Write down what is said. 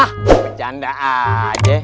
ah bercanda aja